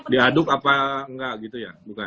diaduk apa enggak gitu ya